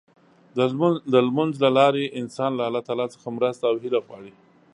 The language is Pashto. د لمونځ له لارې انسان له الله څخه مرسته او هيله غواړي.